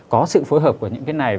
có sự phối hợp của những cái này